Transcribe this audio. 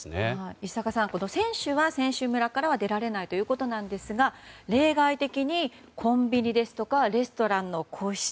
石坂さん、選手は選手村からは出られないということですが例外的に、コンビニですとかレストランの個室。